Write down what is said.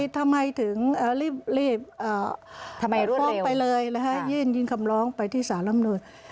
ทำไมถึงรีบฟ้องไปเลยยื่นคำร้องไปที่สารรำนูน